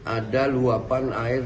ada luapan air